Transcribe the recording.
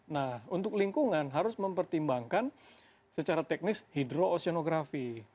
nah untuk lingkungan harus mempertimbangkan secara teknis hidro oseanografi